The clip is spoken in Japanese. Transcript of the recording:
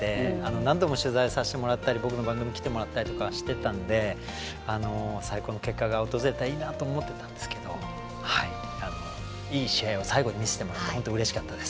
何度も取材させていただいたり僕の番組にきてもらったりとかしてたので最高の結果が訪れるといいなと思ってたんですがいい試合を最後に見せてもらって本当にうれしかったです。